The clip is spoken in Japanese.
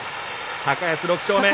高安６勝目。